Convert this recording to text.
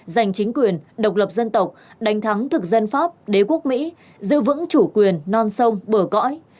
giành chính quyền độc lập dân tộc đánh thắng thực dân pháp đế quốc mỹ giữ vững chủ quyền non sông bờ cõi